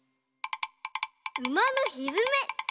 うまのひづめ。